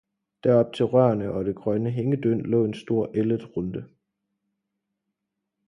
derop til Rørene og det grønne Hængedynd laae en stor Elletrunte.